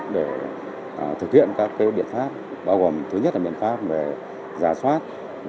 để thực hiện các biện pháp bao gồm thứ nhất là biện pháp về giả soát